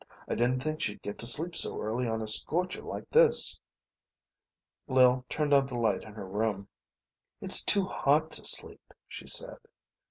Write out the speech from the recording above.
I didn't think she'd get to sleep so early on a scorcher like this." Lil turned on the light in her room. "It's too hot to sleep," she said.